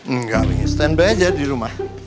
enggak stand by aja di rumah